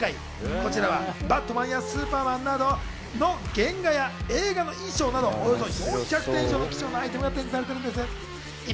こちらは『バットマン』や『スーパーマン』など原画や映画の衣装など、およそ４００点以上の貴重なアイテムが展示されているんです。